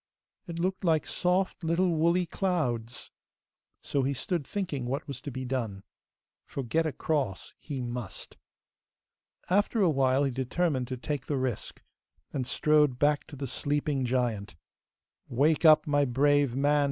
It looked like soft little woolly clouds! So he stood thinking what was to be done, for get across he must. After a while, he determined to take the risk, and strode back to the sleeping giant. 'Wake up, my brave man!